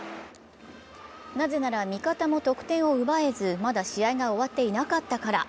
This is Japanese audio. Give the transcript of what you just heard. なぜなら味方も得点を奪えず、まだ試合が終わっていなかったから。